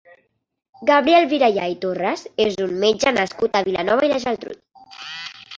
Gabriel Virella i Torras és un metge nascut a Vilanova i la Geltrú.